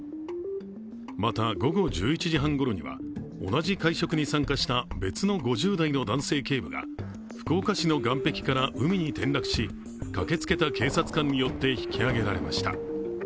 また、午後１１時半ごろには同じ会食に参加した別の５０代の男性警部が福岡市の岸壁から海に転落し駆けつけた警察官によって引き上げられました。